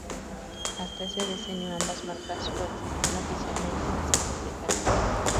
Hasta ese decenio, ambas marcas coexistían oficialmente en las Islas Británicas.